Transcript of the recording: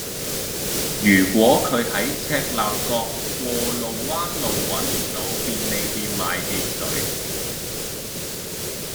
如果佢喺赤鱲角過路灣路搵唔到便利店買汽水